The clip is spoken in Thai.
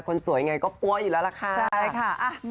คนสวยอย่างไรก็ปั้วอยู่แล้วละค่ะ